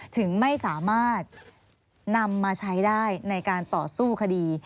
ถึงไม่สามารถนำมาใช้ได้ในการต่อสู้คดี